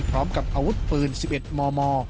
พร้อมกับอาวุธปืน๑๑มม